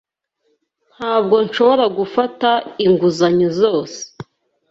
Ntabwo nshobora gufata inguzanyo zose.